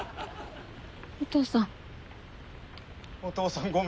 お父さん。